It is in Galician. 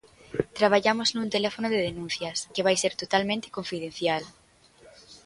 Traballamos nun teléfono de denuncias, que vai ser totalmente confidencial.